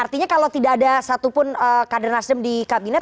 artinya kalau tidak ada satupun kader nasdem di kabinet